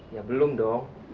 ya belum dong